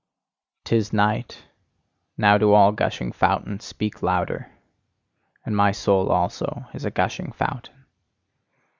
'Tis night: now do all gushing fountains speak louder. And my soul also is a gushing fountain.